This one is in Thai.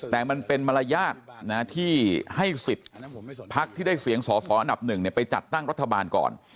แต่มันเป็นมารยาทที่ให้สิทธิ์พักที่ได้เสียงสอสออันดับหนึ่งไปจัดตั้งรัฐบาลก่อน